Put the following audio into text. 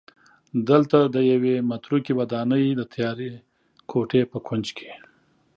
دلته د یوې متروکې ودانۍ د تیارې کوټې په کونج کې